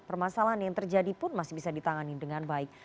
permasalahan yang terjadi pun masih bisa ditangani dengan baik